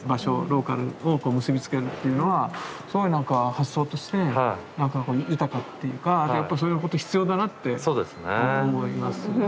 ローカルを結び付けるというのはすごいなんか発想として豊かというかやっぱそういうこと必要だなって思います。